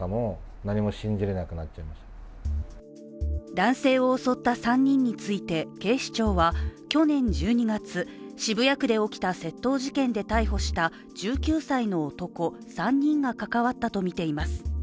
男性を襲った３人について警視庁は、去年１２月、渋谷区で起きた窃盗事件で逮捕した１９歳の男３人が関わったとみています。